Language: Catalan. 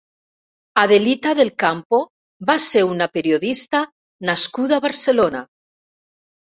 Adelita del Campo va ser una periodista nascuda a Barcelona.